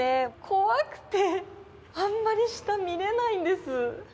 怖くてあんまり下見れないんです。